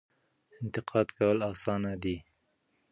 انتقاد کول اسانه دي.